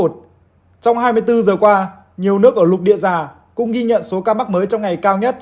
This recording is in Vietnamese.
trong hai mươi bốn giờ qua nhiều nước ở lục địa già cũng ghi nhận số ca mắc mới trong ngày cao nhất